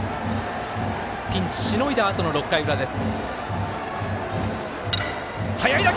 ピンチしのいだあとの６回裏です。